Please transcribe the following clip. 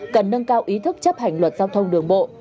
cần nâng cao ý thức chấp hành luật giao thông đường bộ